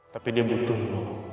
tapi dia butuhmu